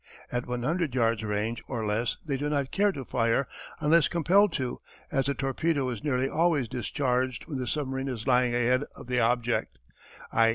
At 100 yards' range or less they do not care to fire unless compelled to, as the torpedo is nearly always discharged when the submarine is lying ahead of the object, _i.